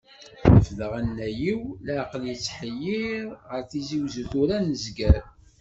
Refdeɣ anay-iw, leɛqel yettḥeyyeṛ, ɣer Tizi Wezzu, tura ad nezger.